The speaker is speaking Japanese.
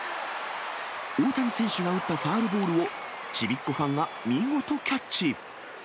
大谷選手が打ったファウルボールを、ちびっ子ファンが見事キャッチ。